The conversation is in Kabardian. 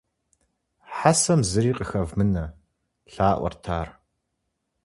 - Хьэсэм зыри къыхэвмынэ! - лъаӀуэрт ар.